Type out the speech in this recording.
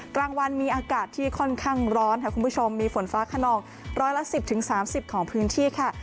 กลางวันมีอากาศที่ค่อนข้างร้อนค่ะคุณผู้ชมมีฝนฟ้าขนองร้อยละ๑๐๓๐ของพื้นที่ค่ะ